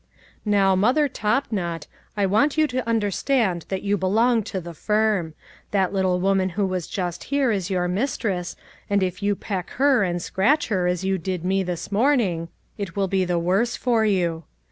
" Now, Mother Topknot, I want you to un derstand that you belong to the firm ; that little woman who was just here is your mistress, and if you peck her and scratch her as you did me, this morning, it will be the worse for you.